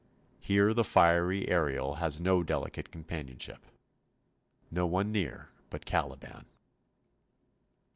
Here the fiery Ariel has no delicate companionship, no one near but Caliban.